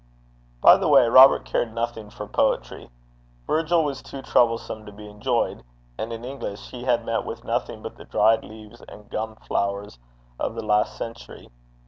By the way, Robert cared nothing for poetry. Virgil was too troublesome to be enjoyed; and in English he had met with nothing but the dried leaves and gum flowers of the last century.